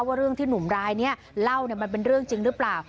ว่าเรื่องที่หนุ่มรายนี้เล่ามันเป็นเรื่องจริงหรือเปล่า